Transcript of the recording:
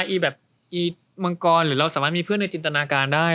อีแบบอีมังกรหรือเราสามารถมีเพื่อนในจินตนาการได้